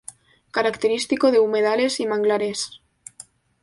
Característico de humedales y manglares.